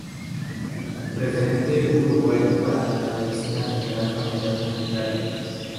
Referente uruguayo para la medicina general, familiar y comunitaria.